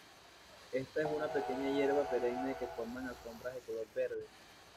Esta es una pequeña hierba perenne que forman alfombras de color verde.